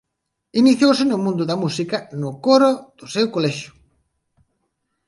Iniciouse no mundo da música no coro do seu colexio.